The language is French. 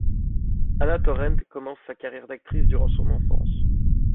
Ana Torrent commence sa carrière d'actrice durant son enfance.